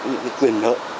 những cái quyền nợ